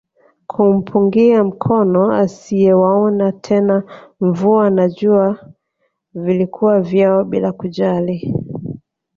Kumpungia mkono asiyewaona tena mvua na jua vilikuwa vyao bila kujali